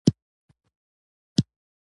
څوک به وايې چې دلته جګړه نه ده تېره شوې.